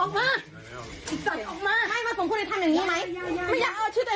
ก็ยังว่าแหละคนไม่มีการศึกษา